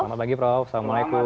selamat pagi prof assalamualaikum